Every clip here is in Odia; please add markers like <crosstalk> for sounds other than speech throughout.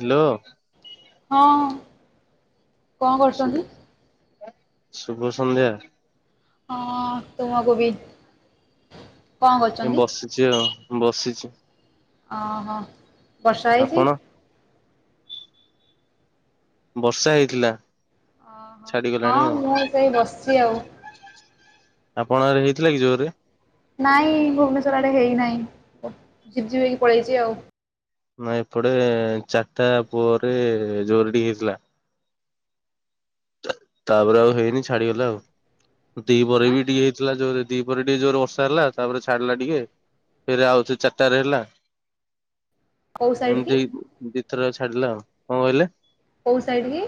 ହ୍ୟାଲୋ। ହଁ କଣ ଶୁଭ କରୁଛନ୍ତି? ଶୁଭ ସନ୍ଧ୍ୟା। ହଁ ତୁମକୁ ବି। କଣ ଏ କରୁଛନ୍ତି? ବସିଛି ଆଉ ବସିଛି। ଓ ହୋ ବର୍ଷା ହେଇଛି? ଆପଣ ବର୍ଷା ହେଇଥିଲା। ଓ ହୋ ଛାଡିଗଲାଣି ହଁ- ଆଉ ମୁଁ ସେଇ ବସିଛି ଆଉ। ଆପଣଙ୍କ ଆଡେ ହେଇଥିଲା କି ଜୋରରେ? ନାଇଁ ଭୁବନେଶ୍ଵର ଆଡେ ହେଇନାହିଁ, ବ ଝିପ୍ ଝିପ୍ ହେଇକି ପଳେଇଛି ଆଉ। ନାଁ ଏପଟେ ଚାରିଟା ପରେ ଜୋରେ ଟିକେ ହେଥିଲା। ତାପରେ ଆଉ ହେଇନି ଛାଡିଗଲା ଆଉ। ଦି ପହରେ ଆଁ ବି ଟିକେ ହେଇଥିଲା, ଜୋରେ ଦି ପହରେ ଟିକେ ଜୋରରେ ବର୍ଷା ହେଲା ତାପରେ ଛାଡିଲା ଟିକେ ଫେରେ ଆଉଥରେ ଚାରିଟାରେ ହେଲା। କୋଉ ସାଇଡ୍ କି? ଏମିତି ଦିଇଥର ଛାଡିଲା ଆଉ। କଣ କହିଲେ? କଉ ସାଇଡ କି?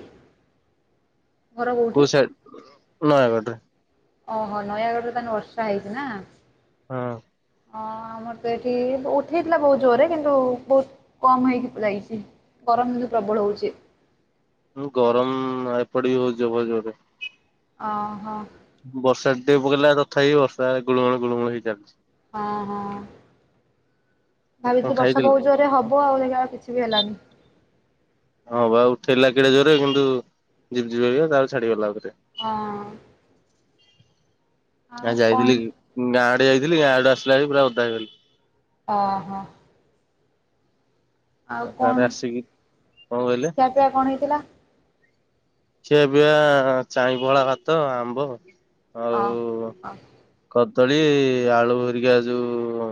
ଘର କଉ କୋଉଠି? ସାଇଡ, ନୟାଗଡରେ? ଓ ହୋ ନୟାଗଡ଼ରେ ତାହେନେ ବର୍ଷା ହେଇଛି ନା? ହଁ। ହଁ ଆମର ତ ଏଠି ବହୁ ଉଠେଇଥିଲା ବହୁତ ଜୋରରେ କିନ୍ତୁ ବହୁତ କମ ହେଇକି ଯାଇଛି। ଗରମ ବି ପ୍ରବଳ ହଉଛି। ଗରମ ଏପଟେ ବି ହଉଚି ବହୁତ୍ ଜୋରେ। ଓ ହୋ। <unintelligible> ପକେଇଲା ତଥାପି ବର୍ଷା ଗୁଳୁଗୁଳୁ ଗୁଳୁଗୁଳୁ ହେଇ ଚାଲିଛି। ହଁ -ହଁ। କଣ ଭାବିଥିଲି ବର୍ଷା ଖାଇଥିଲୁ? ବହୁତ୍ ଜୋରେ ହବ, ଆଉ ହେଲା ବେଳକୁ କିଛି ବି ହେଲାନି। ହଁ ବା ଉଠେଇଲା କେଡ଼େ ଜୋରରେ, କିନ୍ତୁ ଝିପ୍ ଝିପ୍ ହେଇକିନା ତାପରେ ଛାଡିଗଲା ଆଉ। ହଁ। ଆଉ ଆ କଣ ଯାଇଥିଲି ଗାଁ ଆଡେ ଯାଇଥିଲି, ଗାଁ ଆଡେ ଆସିଲା ବେଳେ ପୁରା ଓଦା ହେଇଗଲି। ଓ ହୋ। ଆଉ ତାପରେ କଣ, ଆସିକି କଣ କହିଲେ ଖିଆପିଆ କଣ ହେଇଥିଲା? ସିଏ ଅବିକା ଚାଇଁ ପଖାଳ ଭାତ, ଆମ୍ବ ଅ ଆଉ ହ କଦ ଦଳି ଆଳୁ ହେରିକା, ଯୋଉ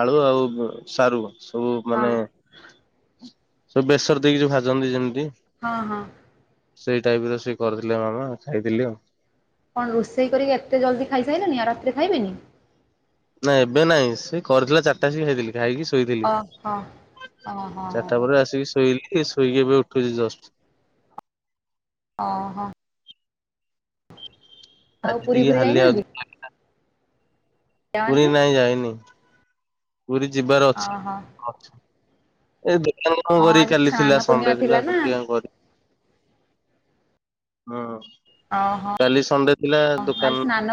ଆଳୁ ଆଉ ସାରୁ ସବୁ ହଁ ମାନେ, ସବୁ ବେସର ଦେଇକି ଯୋଉ ଭାଜନ୍ତି ଯେମିତି। ହଁ- ହଁ। ସେଇ ଟାଇପର ସେ କରିଥିଲେ ମାମା ଖାଇଥିଲି ଆଉ। କଣ ରୋଷେଇ କରିକି ଏତେ ଜଲଦି ଖାଇସାଇଲେଣୀ, ଆଉ ରାତିରେ ଖାଇବେନି? ନା ଏବେ ନାଇଁ ସେ କରିଥିଲା ଚାରିଟାରେ ଆ ଇ ସି ଖାଇଥିଲି। ଖାଇକି ଶୋଇଥିଲି ଓହୋ ଓହୋ ଚାରିଟା ପରେ ଆସିକି ଶୋଇଲି। ଏ ଶୋଇକି ଏବେ ଉଠୁଛି ଜଷ୍ଟ। ଓ ହୋ। ଆଜି ପୁରୀ ଟିକେ ଫୁରୀ ହାଲିଆ ଯାଇନାହାନ୍ତି ଅଧିକ ଲାଗିଲା। ପୁରୀ ପିଲାମାନେ? ନାଇଁ ଯାଇନି। ପୁରି ଯିବାର ଅଛି ଓହୋ ହଁ ଏବେ ପିଲାମାନଙ୍କର ଆଜି କାଲି ସ୍ନାନ ଥିଲା ପୂର୍ଣ୍ଣିମା ଥିଲା ସଣ୍ଡେଥିଲା ନା ସେଥିପାଇଁ କୁଆଡ଼େ ହୁଁ ଓହୋ। କାଲି ସଣ୍ଡେ ଥିଲା ଆଜି ଦୋକାନ ସ୍ନାନ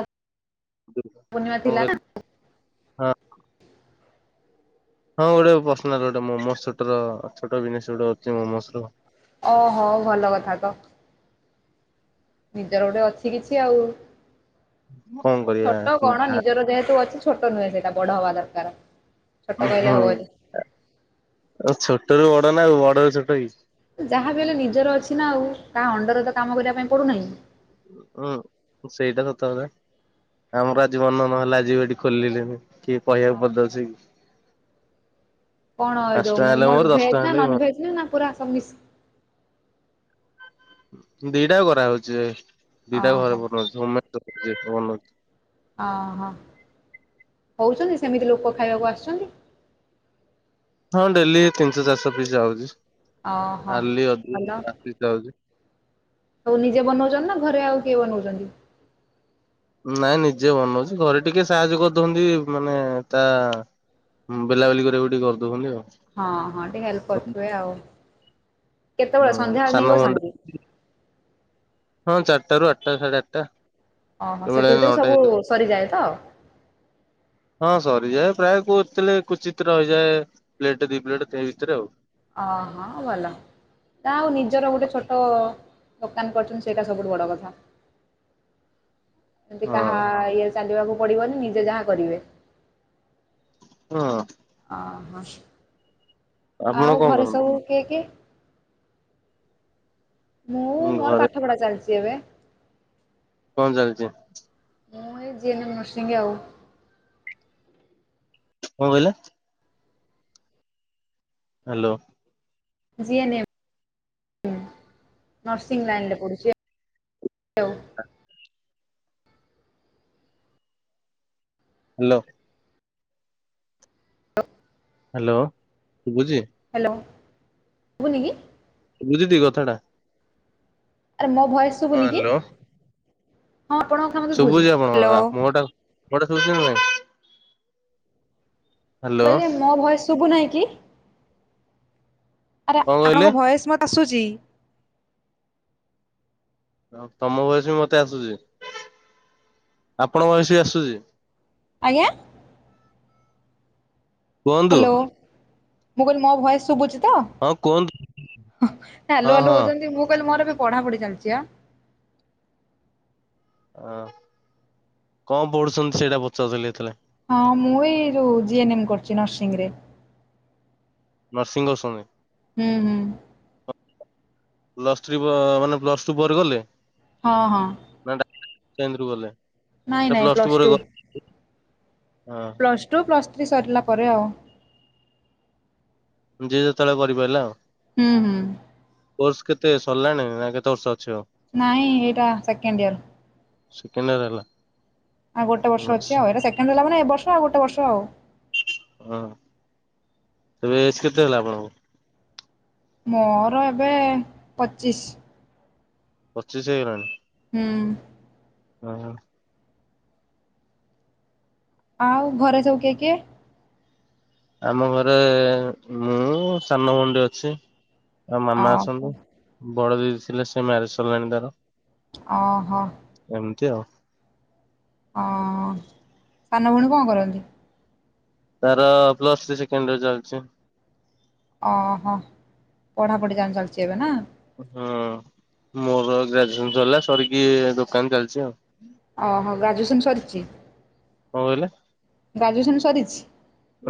ପୂର୍ଣ୍ଣିମା କଣ କହିଲ ଥିଲାନା? ହଁ। ହଁ ଗୋଟେ ପର୍ଶନାଲ ଗୋଟେ ମୋମୋସ ଛୋଟର ଛୋଟ ବିଜିନେସ ଅଛି ମୋମୋସର ଓହୋ ଭଲ କଥାତ। ନିଜର ଗୋଟେ ଅଛି କିଛି ଆଉ। କଣ କରିବା ହୁଁ ଛୋଟକଣ ନିଜର ଯେହେତୁ ଅଛି ଛୋଟ ନୁହେଁ ସେଟା ବଡ ହବା ଦରକାର ଛୋଟ ଅ କହିଲେ ହୋ ହବନି ଅଛ୍ଚା, ଛୋଟରୁୁ ବଡ ନା ବଡରୁ ଛୋଟକି? ଯାହାବି ହେଲେ ନିଜର ଅଛିନା ଆଉ କାହା ଅଣ୍ଡରରେତ କାମ କରିବା ପାଇଁ ପଡୁନାହିଁ। ହୁଁ ସେଇଟା ସତକଥା। ଆମର ଆଜି ମନ ନହେଲା ଆଜି ଏଠି ଖୋଲିଲେନି କିଏ କହିବାକୁ ପଦେଅଛି କି। କଣ ଏ ପାଞ୍ଚ ଯୋଉ ଟଙ୍କା ହେଲେ ମୋର ମୋମସ ଦଶ ଟଙ୍କା ଭେଜ ନା ହେଲେ ବି ନନଭେଜ ନା ପୁରା ସବୁମିସିକି? ଦିଟା କରା ହଉଚି, ଦିଟା ଓହୋ ଘରେ ବନଉଚି ହୋମ ମେଡ୍ କରୁ ବନଉଛି। ଅ ହ ହଉଚନ୍ତି ସେମିତି ଲୋକ ଖାଇବାକୁ ଆସୁଚନ୍ତି? ହଁ ଡେଲି ତିନିଶହ ଚାରିଶହ ପିସ୍ ଯାଉଚି। ଓହୋ। ଆରଲି ଅଧିକ <unintelligible> ଯାଉଛି। ଆଉ ନିଜେ ବନଉଚନା ଘରେ ଆଉ କିଏ ବନଉଚନ୍ତି? ନାଇଁ ନିଜେ ବନଉଚି, ଘରେ ଟିକେ ସାହାଯ୍ୟ କରିଦନ୍ତି ମାନେ ତା ବେଲା ବେଲି କରିବାକୁ ଟିକେ କରିଦଉଚନ୍ତି ଆଉ। ହଁ ହଁ ଟିକେ ହେଲ୍ପ କରୁଥିବେ ଆଉ କେତେବେଳେ ହୁଁ ସନ୍ଧ୍ୟାବେଳେ ସାନ ନେଇ ଭଉଣୀ ବସନ୍ତି? ହଁ ଚାରିଟାରୁ ଆଠଟା ସାଢେଆଠଟା। ଓହୋ ସେଥିଭିତରେ ସବୁ ସରିଯାଏତ? ହଁ ସରିଯାଏ ପ୍ରାୟ କୋଉତଳେ କୁଚିତ୍ ରହିଯାଏ ପ୍ଲେଟ ଦି ପ୍ଲେଟ ସେ ଭିତରେ ଆଉ ଅହ ଭଲ ନା ଆଉ ନିଜର ଗୋଟେ ଛୋଟ ଦୋକାନ ନ କରୁଚନ୍ତି ସେଇଟା ସବୁଠୁ ବଡ଼କଥା। ଏମତି ହଁ କାହା ଇଏରେ ଚାଲିବାକୁ ପଡିବନି ନିଜେ ଯାହା କରିବେ। ହଁ। ଅ ହ ଆପଣ ଆଉ କଣ ଘରେ କରନ୍ତି? ସବୁ କିଏ କିଏ? ମୁଁ ମୋର ଘରେ ପାଠପଢା ଚାଲିଚି ଏବେ। କଣ ଚାଲଚି? ମୁଁ ଏଇ ଜି ଏନ ନରସିଂ ଆଉ। କଣ କହିଲ? Hello. G N M. Nursing ଲାଇନରେ ପଢ଼ୁଚି ଆଉ। ହାଲୋ। ହାଲୋ ସୁବୁଚି? ହାଲୋ ସୁବୁନି କି? ବୁଝିଥିବି କଥାଟା। ଆରେ ମୋ ଭୟେସ ସୁବୁନିକି? ଶୁଭୁଚି ଆପଣଙ୍କର ମୁଁ ମୋଓଟା ମୋଓଟା ଶୁଭୁଚି ନା ନାହିଁ? ମୁଁ ହ୍ୟାଲୋ କହିଲି ମୋ ଭଏସ ସୁବୁ ନାଇ କି? ଆରେ କଣ କହିଲେ? ଆପଣଙ୍କ ଭଏସ ମତେ ଆସୁଚି। ହଉ ତମ ଭୟେସ ବି ମତେ ଆସୁଚି, ଆପଣ ଭୟେସ ବି ଆସୁଚି। ଆଜ୍ଞା। କୁହନ୍ତୁ। ହ୍ୟାଲୋ ମୁଁ କହିଲି ମୋ ଭୟେସ ସୁବୁଚି। ତ ହଁ କୁହନ୍ତୁ ହଁ ହାଲୋ ହାଲୋ ହୋଉଚନ୍ତି ମୁଁ କହିଲି ମୋର ଏବେ ପଢ଼ାପଢ଼ି ଚାଲଚି ଆ। ଅଁ କଁ ପଢ଼ୁଛନ୍ତି ସେଇଟା ପଚାରୁଥିଲି ହେତେଳେ। ହଁ ମୁଁ ଏଇ ଯୋଉ ଜି ଏନ୍ ଏମ୍ କରୁଚି ନର୍ସିଂରେ। ନର୍ସିଂ କରୁସନ୍ତି। ହୁଁ ହୁଁ। ପ୍ଲସ୍ ଥ୍ରୀ ପ ମାନେ ପ୍ଲସ୍ ଟୁ ପରେ କଲେ? ହଁ ହଁ। କେନ୍ଦରୁ ଗଲେ? ନାଇଁ ଏଟା ନାଇଁ ପ୍ଲସ ପ୍ଲସ୍ ପରେ ଟୁ। କଲେ। ହଁ ପ୍ଲସ୍ ଟୁ ପ୍ଲସ୍ ଥ୍ରୀ ସରିଲା ପରେ ଆଉ। ଯିଏ ଯେତୋଳେ କରି ପାଇଲା ଆଉ। ହୁଁ ହୁଁ। କୋର୍ସ କେତେ ସରଲାଣି ନାଁ କେତେ ବର୍ଷ ଅଛି ଆଉ? ନାଇଁ ଏଇଟା ସେକେଣ୍ଡ୍ ଇଅର୍। ସେକେଣ୍ଡ୍ ଇଅର୍ ହେଲା। ଆଉ ଗୋଟେ ବର୍ଷ ଅଛି ଆଉ ଏଟା ସେକଣ୍ଡ ହେଲା ମାନେ ଏ ବର୍ଷ ଆଉ ଗୋଟେ ବର୍ଷ ଆଉ। ହଁ ଏବେ ଏଜ୍ କେତେ ହେଲା ଆପଣଙ୍କୁ? ମୋର ଏବେ ପଚିଶ। ପଚିଶ ହେଇ ଗଲାଣି। ହୁଁ। ଅହଁ ଆଉ ଘରେ ସବୁ କିଏ କିଏ? ଆମ ଘରେ ମୁଁ ସାନ ଭୋଉଣୀଟେ ଅଛି। ଆଉ ମାମା ଓହୋ। ଅଛନ୍ତି ବଡ଼ ଦିଦି ଥିଲେ ସେ ମ୍ୟାରେଜ୍ ସରିଲାଣି ତାର। ଅହ। କି ଅ ଅ ସାନ ଭୋଉଣୀ କଁ କରନ୍ତି? ତାର ପ୍ଲସ୍ ଥ୍ରି ସେକେଣ୍ଡ୍ ଇଅର୍ ଚାଲଚି। ଅହ ପଢ଼ାପଢି ଯାହେନେ ଚାଲଚି ଏବେ ନାଁ? ହୁଁ ମୋର ଗ୍ରାଜୁଏସନ୍ ସରିଲା ସରିକି ଦୋକାନ ଚାଲଚି ଆଉ। ଅ ହ ଗ୍ରାଜୁଏସନ୍ ସରିଚି? କଁ କହିଲେ? ଗ୍ରାଜୁଏସନ୍ ସରିଚି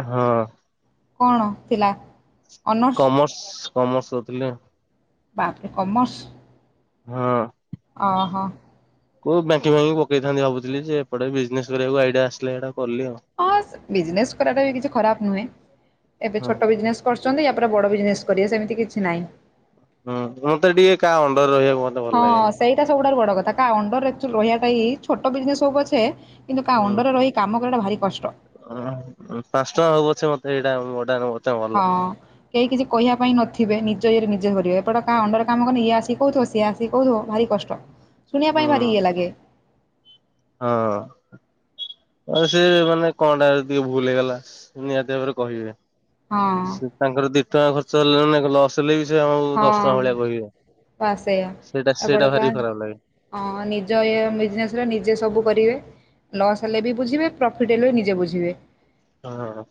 ହଁ। କଣ ଥିଲା? ଅନର୍ସ କମର୍ସ କମର୍ସ କରିଥିଲି ହଁ। ବାପରେ କମର୍ସ। ହଁ। ଅ ହ। କୋଉ ବ୍ୟାଙ୍କିଙ୍ଗ ଫ୍ୟାଙ୍କିଂ ପକେଇଥାନ୍ତି ଭାବୁଥିଲି ଯେ ଏପଟେ ବିଜନେସ୍ କରିବାକୁ ଆଇଡ଼ିଆ ଆସିଲା ଇଆଡ଼େ ଆଉ ଅସ୍ ବିଜନେସ୍ କରିବାଟା ବି କିଛି ଖରାପ ନୁହେଁ ଏବେ ହଁ ଛୋଟ ବିଜନେସ୍ କରୁ ଚନ୍ତି ୟାପରେ ବଡ଼ ବିଜନେସ୍ କରିବେ ସେମିତି କିଛି ନାହିଁ। ହଁ ମତେ ଟିକେ କା ଅଣ୍ଡରରେ ରହିଆଉ ହଁ ସେଇଟା ସବୁଠାରୁ ବଡ଼ କଥା କା ଅଣ୍ଡର୍ ରେ ଏକ୍ଚୁଲି ରହିଆଟା ହି ଛୋଟ ବିଜନେସ୍ ହୋଉ ପଛେ କିନ୍ତୁ ଅଣ୍ଡର୍ ରେ ରହି କାମ କରିଆଟା ଭାରି କଷ୍ ଅଃ ପାଁଶ ଟଆଁ ହଉ ପଛେ ମତେ ଏଇଟା ମୁଁ ଅଟା ହେନେ ମ ହଁ କେହି କିଛି କହିବା ପାଇଁ ନଥିବେ ନିଜ ଇଏରେ ନିଜେ କରିବେ ଏପଟ କା ଅଣ୍ଡରେ କାମ କନେ ଇଏ ଆସି କୋଉଥୁବ ସିଏ ଆସି କୋଉଥୁବ ଭାରି କଷ୍ଟ ଶୁଣିବା ପାଇଁ ହୁଁ ଭାରି ଇଏ ଲାଗେ। ହଁ। ଆଉ ସେ ମାନେ କଣଟା ଯଦି ତିଏ ଭୁଲ୍ ହେଇଗଲା ନିହାତି ଭାବରେ କହିବେ। ହଁ ସେ ତାଙ୍କର ଦି ଟଙ୍କା ଖର୍ଚ୍ଚ ହେଲା ନା କ ଲସ୍ ହେଲେ ବି ସିଏ ଆମୁକୁ ଦଶ ଟଙ୍କା ହଁ ଭଳିଆ କହିବେ। ସେଇଟା ସେଇଟା ଭାରି ଖରାପ ଲାଗେ। ହଁ ନିଜ ଇଏ ବିଜନେସରେ ନିଜେ ସବୁ କରିବେ। ଲସ୍ ହେଲେ ବି ବୁଝିବେ ପ୍ରଫିଟ ହେଲେ ବି ନିଜେ ବୁଝିବେ, ହଁ।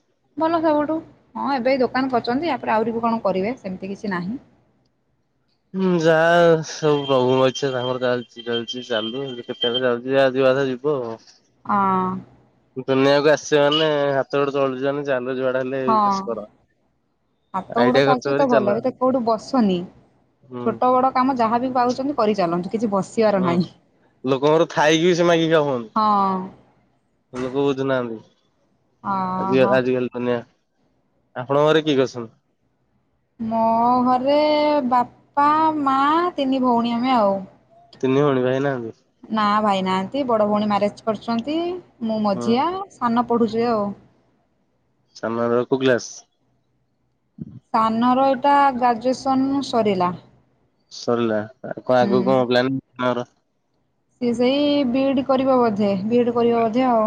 ଭଲ ସବୁଠୁ। ହଁ ଏବେ ଏଇ ଦୋକାନ କରିଛନ୍ତି, ୟାପରେ ଆହୁରି ବି କଣ କରିବେ ସେମିତି କିଛି ନାହିଁ। ହୁଁ, ଯାହା ସବୁ ପ୍ରଭୁଙ୍କ ଇଚ୍ଛା ତାଙ୍କର ଯାହାବି ଚାଲିଛି ଚାଲୁ, କେତେବେଳେ ଚାଲିଛି ଆଜି ତାଥରେ ଯିବ। ହଁ ଦୁନିଆକୁ ଆସିବେ ମାନେ ହାତ ଗୋଡ ଚଳୁଛି ମାନେ ଚାଲୁ ଯୁଆଡେ ହେଲେ ହଁ ବିଜନେସ କର। ହାତ ଗୋଡ ଆଇଡିଆ ଖର୍ଚ୍ଚ ଚାଲିଚି କରି ତ ଚାଲ ଭଲ ଏବେ ତ କୋଉଠି ବସନି। ହୁଁ ଛୋଟ ବଡ କାମ ଯାହାବି ପାଉଛନ୍ତି କରିଚାଲନ୍ତୁ। କିଛି ବସିବାର ହୁଁ, ନାହିଁ। ଲୋକଙ୍କର ଥାଇକି ବି ସେ ମାଗିଖିଆ ହଁ ହୁଅନ୍ତି। ଲୋକ ବୁଝୁନାହାନ୍ତି। ଅ ହଁ। ଆ-ଆଜିକାଲି ଦୁନିଆ ଆପଣଙ୍କ ଘରେ କିଏ କିଏ ଅଛନ୍ତି? ମୋ ଘରେ ବାପା, ମା, ତିନି ଭଉଣୀ ଆମେ ଆଉ। ତିନି ଭଉଣୀ ଭାଇ ନାହାନ୍ତି? ନା ଭାଇ ନାହାନ୍ତି। ବଡ ଭଉଣୀ ମ୍ୟାରେଜ କରିଛନ୍ତି। ମୁଁ ହଁ। ମଝିଆ, ସାନ ପଢୁଛି ଆଉ। ସାନର କୋଉ କ୍ଲାସ୍? ତା ଗ୍ରାଜୁଏସନ୍ ସରିଲା। ସରିଲା ଆଉ କଣ ଆଗକୁ କଣ ପ୍ଲାନ ତମର? ସି ସେଇ ବିଡ଼ି କରିବ ବୋଧେ ବିଡ଼ି କରିବ ବୋଧେ ଆଉ।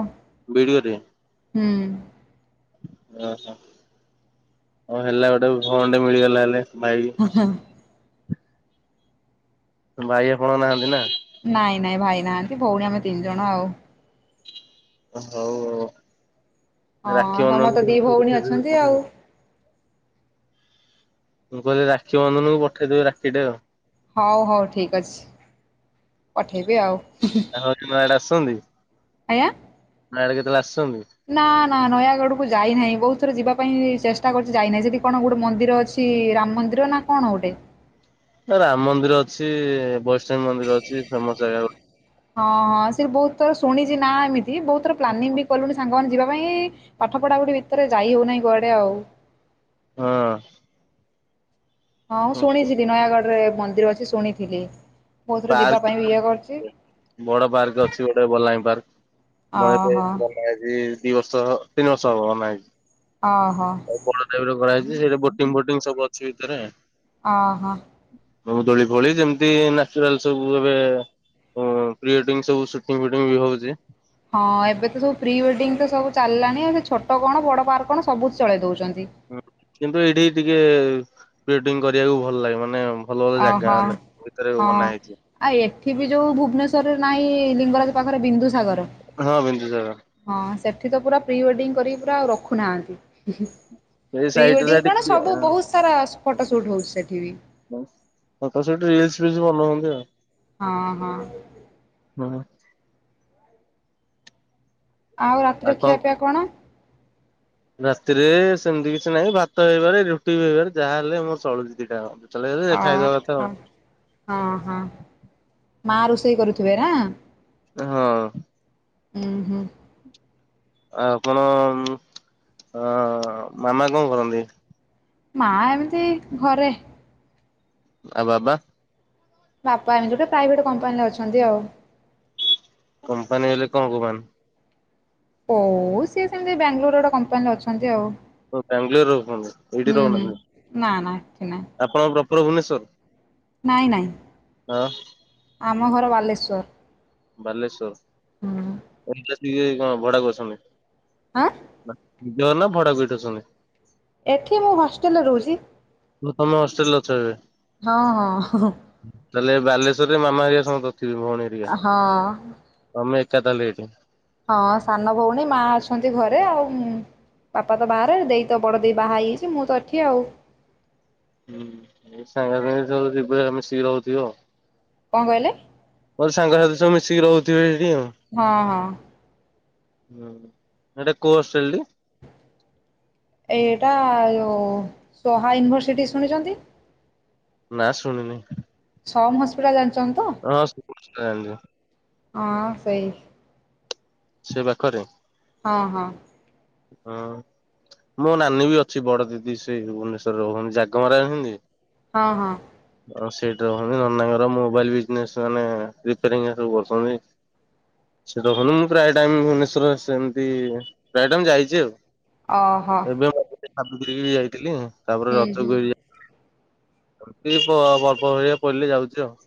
ଭିଡ଼ିଓରେ ହୁଁ। ହଉ ହେଲା ଗୋଟେ ଭଉଣୀଟେ ମିଳିଗଲା ହେଲେ ଭାଇ କି। ଭାଇ ଆପଣ ନାହାନ୍ତି ନା? ନାଇଁ ନାଇଁ ଭାଇ ନାହାନ୍ତି ଭଉଣୀ ଆମେ ତିନି ଜଣ ଆଉ। ହଉ ହଉ। ହଁ ରାକ୍ଷୀ ବନ୍ଧନ ତମର ତ <unintelligible> ଦି ଭଉଣୀ ଅଛନ୍ତି ଆଉ। ମୁଁ କହିଲି ରାକ୍ଷୀ ବନ୍ଧନକୁ ପଠେଇ ଦେବି ରାକ୍ଷୀ ଟେ ଆଉ। ହଉ ହଉ ଠିକ ଅଛି, ପଠେଇବି ଆଉ। ତାଙ୍କ <unintelligible> ଆଡେ ଆସୁଛନ୍ତି। ଆଜ୍ଞା। <unintelligible> ନା, ନା, ନୟା ଆଡକୁ ଯାଇନାହିଁ। ବହୁତ ଥର ଯିବା ପାଇଁ ଚେଷ୍ଟା କରୁଛି ଯାଇନାହିଁ, ସେଇଠି କଣ ଗୋଟେ ମନ୍ଦିର ଅଛି ରାମ ମନ୍ଦିର ନା କଣ? କଣ ଗୋଟେ? ରାମ ମନ୍ଦିର ଅଛି, ବୈଷ୍ଣବୀ ମନ୍ଦିର ଅଛି, ଫେମସ ଜାଗା ଗ ହଁ ହଁ ସେ ବହୁତ ଶୁଣିଛି ନା ଏମିତି ବହୁତର ପ୍ଲାନିଂ ବି କଲୁଣି ସାଙ୍ଗମାନେ ଯିବାକୁ ତା ପାଇଁ ପାଠ ପଢା ପଢି ଭିତରେ ଯାଇ ହଉନାହିଁ କୁଆଡେ ଆଉ। ହଁ। ହଁଁ, ଶୁଣିଥିଲି ନୟାଗଡ଼ରେ ମନ୍ଦିର ଅଛି ଶୁଣିଥିଲି ବହୁତ ଥର ଯିବା ପାର୍କ ପାଇଁ ବି ଇଏ କରିଛି। ବଡ ପାର୍କ ଅଛି ଗୋଟେ ବଲାଙ୍ଗୀ ପାର୍କ। ମୁ ଏବେ ଅହ ଦି ବର୍ଷ ତିନ ବର୍ଷ ହବ ହଲାଣି। ଅହ ଆ ବଡ <unintelligible> ରେ କରାହାଇଛି ସେଇଟା ବୋଟିଂ ଫୋଟି ସବୁ ଅଛି ଭିତରେ। ଆହ। ଦୋଳି ଫୋଳି ଯେମିତି ନାଚୁରାଲ ସବୁ ଏବେ ଓ ପ୍ରି ଓଡିଙ୍ଗ ସବୁ ସୁଟିଂ ଫୁଟିଙ୍ଗ ବି ହଉଛି। ହଁ, ଏବେ ତ ସବୁ ପ୍ରି ୱେଡିଙ୍ଗ ତ ସବୁ ଚାଲିଲାଣି ଛୋଟ କଣ ବଡ ପାର୍କ କଣ ସବୁ ଚଳେଇ ଦଉଛନ୍ତି। ହ କିନ୍ତୁ ଏଇଠି ଟିକେ ପ୍ରି ୱେଡିଙ୍ଗ କରିବାକୁ ଭଲ ଲାଗେ। ମାନେ ଭଲ ଭଲ ଓହୋ ଜାଗା ହଁ, ହେଲେ ଭିତରେ ବନା ହେଇଛି ଆଉ ଏଠି ବି ଯୋଉ ଭୁବନେଶ୍ୱରରେ ନାହିଁ ଲିଙ୍ଗରାଜ ପାଖରେ ବିନ୍ଦୁ ସାଗର। ହଁ ବିନ୍ଦୁସାଗର ହଁ ସେ ଏଠି ତ ପୁରା ପ୍ରି ୱେଡ଼ିଙ୍ଗ କରିକି ପୁରା ଆଉ ରଖୁନାହାଁନ୍ତି। ସେଇ ପ୍ରି ସାଇଟରେ ୱେଡିଙ୍ଗ କଣ ଟିକେ ସବୁ ବହୁତ ସାରା ଫଟୋ ସୁଟ୍ ହଉଛି ସେଠି ବି। ଫଟୋ ସେଠି ରିଲସ ଫିଲସ ବନଉଚନ୍ତି ଆଉ। ହଁ ହଁ। ହଁ। ଆଉ ରାତିରେ ଖିଆ ପିଆ କଣ? ରାତିରେ ସେମିତି କିଛି ନାହିଁ। ଭାତ ହେଇବାରେ ରୁଟି ବି ହେଇବାରେ ଯାହାହଲେ ମୋର ଚଳୁଛି ଦି'ଟାଜାକ। ଓ ହ ହଁ ହଁ। ମା ରୋଷେଇ କରୁଥିବେ ନା? ହଁ ହୁଁ ହୁଁ। ଆ ଆପଣ ଆଁ ମାମା କଣ କରନ୍ତି? ମା ଏମିତି ଘରେ। ଆ ବାବା? ବାବା ଏମିତି ଗୋଟେ ପ୍ରାଇଭେଟ କମ୍ପାନୀରେ ଅଛନ୍ତି ଆଉ। କମ୍ପାନୀ ହେଲେ କୋଉଁ କମ୍ପାନି? ଓ ସିଏ ସେମିତି ବାଙ୍ଗାଲୋର ଗୋଟେ କମ୍ପାନୀରେ ଅଛନ୍ତି ଆଉ। ମୁଁ ବାଙ୍ଗାଲୋର ରେ ରହୁଛନ୍ତି ଏଇଠି ହୁଁ ହୁଁ ରହୁନାହାନ୍ତି ନା ନା ଏଠି ନାଇଁ ଆପଣଙ୍କ ଭୁବନେଶ୍ୱର। ନାଇଁ ନାଇଁ ଆମ ଘର ବାଲେଶ୍ୱର। ବାଲେଶ୍ଵର ଏଠି ଆସି କଣ ଭଡ଼ା କୁ ଅଛନ୍ତି? ଆଁ। ନିଜ ଘର ନା ଭଡାକୁ ଏଠି ଅଛନ୍ତି? ଏଠି ମୁଁ ହଷ୍ଟେଲରେ ରହୁଛି। ମୁଁ ତମେ ହଷ୍ଟେଲରେ ଅଛ ଏବେ? ହଁ ହଁ ଅ। ତାହେଲେ ବାଲେଶ୍ଵରରେ ମାମା ହେରଆ ସମସ୍ତେ ଥିବେ ଭଉଣୀ ଏରିକା ତମେ ଏକା ଥାହେଲେ ଏଇଠି। ହଁ ସାନ ଭଉଣୀ ମା ଅଛନ୍ତି ଘରେ ଆଉ। ବାପା ତ ବାହାରେ ଦେଇ ତ ବଡ଼ ଦେଇ ବାହା ହେଇଯାଇଛି ମୁଁ ତ ଏଠି ଆଉ। ହୁଁ ସାଙ୍ଗ ମାନେ ସବୁ ମିଶିକି ରହୁଥିବ। କଣ କହିଲେ? ସାଙ୍ଗସାଥି ସବୁ ମିଶିକି ରହୁଥିବେ? ଆଉ ହଁ ହଁ। ହୁଁ ସେଟା କଉଁ ହଷ୍ଟେଲ ଟି? ଏଇଟା ସୋହା ୟୁନିଭର୍ସିଟି ଶୁଣିଛନ୍ତି? ନା ଶୁଣିନି। ସମ୍ ହସ୍ପିଟାଲା ଜା ହଁ। ହଁ ସେଇ। ସେ ପାଖରେ। ହଁ ହଁ। ଉଁ। ମୋ ନାନୀ ବି ଅଛି। ବଡ ଦିଦି ସେ ଭୁବନେଶ୍ଵର ରେ ରହୁନ୍ତି। ଜାଗମରା ଜାଣନ୍ତି। ହଁ ହଁ। ହଁ ସେଇଠି ରହନ୍ତି ନନାଙ୍କର ମୋବାଇଲ ବିଜନେସ ମାନେ ରିପେୟାର କରୁଛନ୍ତି। ସେ ଦେଖନୁ ମୁଁ ପ୍ରାୟ ଟାଇମ୍ ଭୁବନେଶ୍ଵର ସେମିତି ପ୍ରାୟ ଟାଇମ ଯାଇଛି ଆଉ। ଅହୋ। ଏବେ ସାବିତ୍ରୀ କି ବି ଯାଇଥିଲି ତାପରେ ରଜକୁ ଯାଇଥିଲି। ଏମିତି ପର୍ବ ପଡ଼ିଲେ ଯାଉଛି ଆଉ।